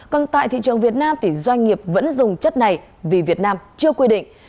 còn tại thị trường việt nam thì doanh nghiệp vẫn dùng chất này vì việt nam chưa quy định